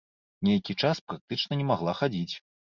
Нейкі час практычна не магла хадзіць.